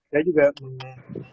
saya juga mengingatkan